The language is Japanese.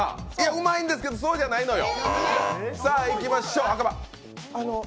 うまいけどそうじゃないのよ！